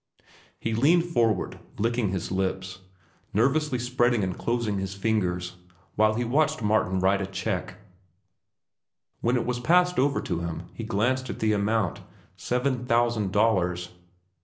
He leaned forward, licking his lips, nervously spreading and closing his fingers, while he watched Martin write a check. When it was passed over to him, he glanced at the amount seven thousand dollars.